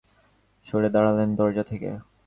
তিনি নব ছেড়ে দিয়ে দরজা থেকে সরে দাঁড়ালেন।